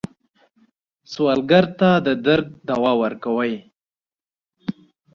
سوالګر ته د درد دوا ورکوئ